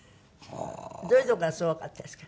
どういうとこがすごかったですか？